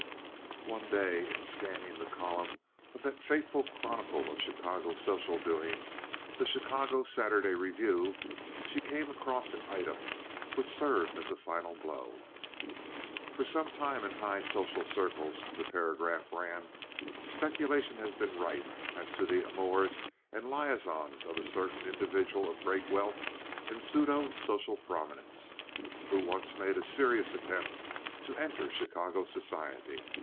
One day, in scanning the columns of that faithful chronicle of Chicago social doings, the Chicago Saturday Review, she came across an item which served as a final blow. "For some time in high social circles," the paragraph ran, "speculation has been rife as to the amours and liaisons of a certain individual of great wealth and pseudo social prominence, who once made a serious attempt to enter Chicago society.